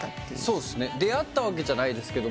出会ったわけじゃないですけど。